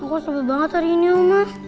aku sebe banget hari ini oma